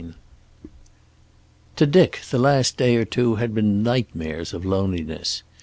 XLIV To Dick the last day or two had been nightmares of loneliness.